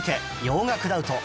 洋楽ダウト